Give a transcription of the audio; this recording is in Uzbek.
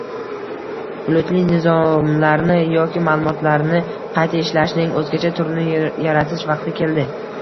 bulutli nizomlarni yoki maʼlumotlarni qayta ishlashning oʻzgacha turini yaratish vaqti keldi.